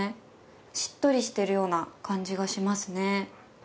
しっとりしているような感じがしますね。